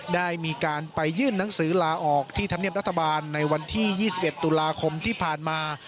ได้มีการไปยื่นหนังสือลาออกที่ธรรมเนียบรัฐบาลในวันที่๒๑ตุลาคมที่ผ่านมา